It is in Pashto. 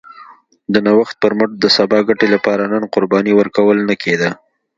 د نوښت پر مټ د سبا ګټې لپاره نن قرباني ورکول نه کېده